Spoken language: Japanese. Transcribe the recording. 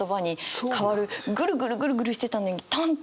グルグルグルグルしてたのにタンッと